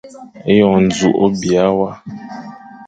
Eyon njuk o biya wa.